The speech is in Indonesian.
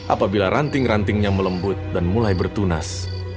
apabila ranting rantingnya melembut dan mulai bertunas